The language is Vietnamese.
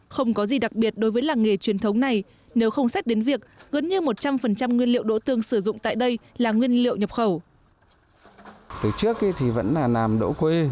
không có gì đặc biệt đối với làng nghề truyền thống này nếu không xét đến việc gần như một trăm linh nguyên liệu đỗ tương sử dụng tại đây là nguyên liệu nhập khẩu